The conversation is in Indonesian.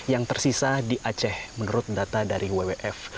yang tersisa di aceh menurut data dari wwf